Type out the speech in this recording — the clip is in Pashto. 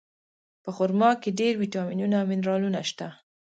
په خرما کې ډېر ویټامینونه او منرالونه شته.